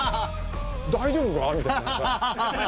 大丈夫か？みたいな。